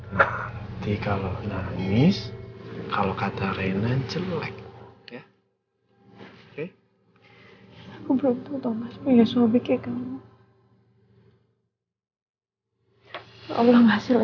nanti kalau nangis kalau kata reina jelek ya